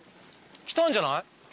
来たんじゃない？